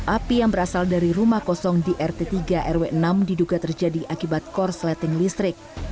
api yang berasal dari rumah kosong di rt tiga rw enam diduga terjadi akibat korsleting listrik